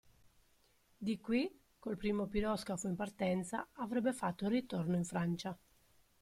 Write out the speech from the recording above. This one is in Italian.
Di qui, col primo piroscafo in partenza, avrebbe fatto ritorno in Francia.